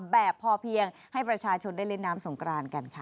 แบบพอเพียงให้ประชาชนได้เล่นน้ำสงกรานกันค่ะ